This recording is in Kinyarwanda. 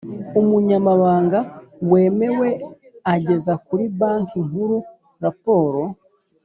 umunyamabanga wemewe ageza kuri Banki Nkuru raporo